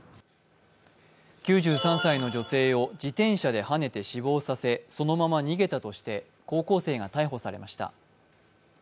９３歳の女性を自転車ではねて死亡させそのまま逃げたとして高校生が逮捕されました。